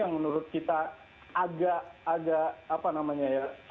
menurut kita agak